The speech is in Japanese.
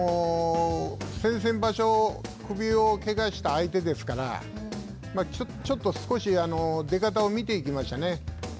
先々場所首をけがした相手ですからちょっと少し出方を見ていきましたね。